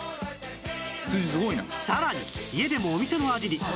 さらに家でもお店の味に！